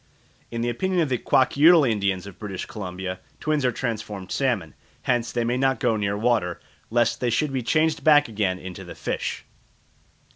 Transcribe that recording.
In the opinion of the Kwakiutl Indians of British Columbia twins are transformed salmon; hence they may not go near water, lest they should be changed back again into the fish.